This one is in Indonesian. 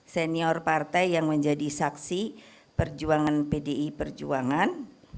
senior partai yang menjadi saksi perjuangan pdi perjuangan